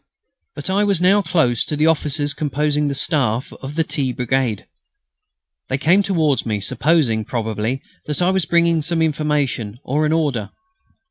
But I was now close to the officers composing the Staff of the T. Brigade. They came towards me, supposing, probably, that I was bringing some information or an order.